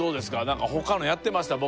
何か他のやってました？